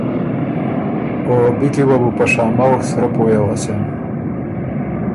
او بی کی وه بو په شامؤ سرۀ پویٛ اوسېن۔